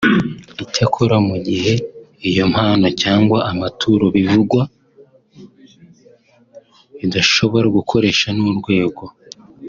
Icyakora mu gihe iyo mpano cyangwa amaturo bivugwa bidashobora gukoreshwa n’urwego